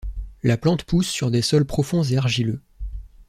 La plante pousse sur des sols profonds et argileux.